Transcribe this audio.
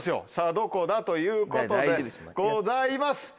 どこだ？ということでございます。